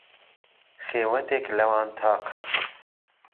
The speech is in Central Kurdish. خێوهتێک لهوان تاقه